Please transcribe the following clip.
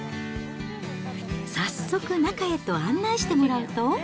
早速中へと案内してもらうと。